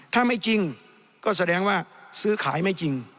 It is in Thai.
ถ้าไม่จริงก็แสดงว่าซื้อขายไม่จริง